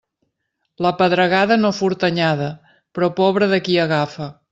La pedregada no furta anyada, però pobre de qui agafa.